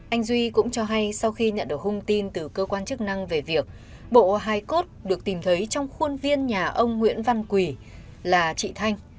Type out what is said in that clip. anh duy cũng cho hay sau khi nhận được hung tin từ cơ quan chức năng về việc bộ hai cốt được tìm thấy trong khuôn viên nhà ông nguyễn văn quỳ là chị thanh